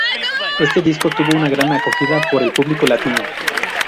Este disco tuvo una gran acogida por el público latino.